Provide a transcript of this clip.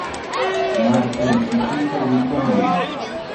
Markaypita willamuy.